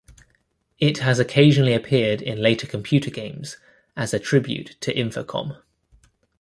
It has occasionally appeared in later computer games as a tribute to Infocom.